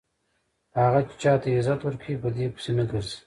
هغه چې چاته عزت ورکوي په دې پسې نه ګرځي.